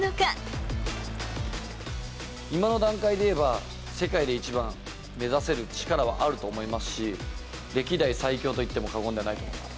今の段階でいえば、世界で一番目指せる力はあると思いますし、歴代最強と言っても過言ではないと思います。